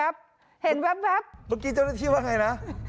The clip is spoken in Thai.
แป๊บเมื่อกี้เจ้าหน้าที่ว่าไงนะ